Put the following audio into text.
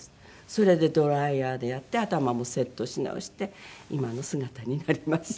それでドライヤーでやって頭もセットし直して今の姿になりました。